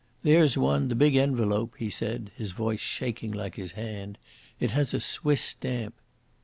"There's one, the big envelope," he said, his voice shaking like his hand. "It has a Swiss stamp."